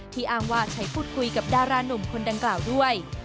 อ้างว่าใช้พูดคุยกับดารานุ่มคนดังกล่าวด้วย